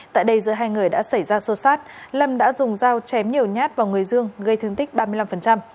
tại đây giữa hai người đã xảy ra xô xát lâm đã dùng dao chém nhiều nhát vào người dương gây thương tích ba mươi năm